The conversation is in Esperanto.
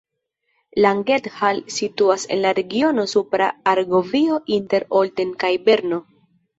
Langenthal situas en la regiono Supra Argovio inter Olten kaj Berno.